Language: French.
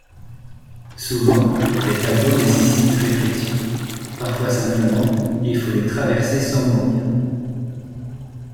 Souvent, les tableaux nécessitent réflexion; parfois simplement il faut les traverser sans mourir.